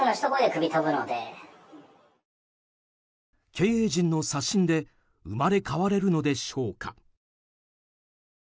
経営陣の刷新で生まれ変われるのでしょうか。